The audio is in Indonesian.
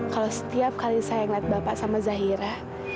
kalau setiap kali saya ngeliat bapak sama zahira